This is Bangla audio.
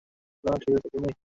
সোনা, ঠিক আছো তুমি?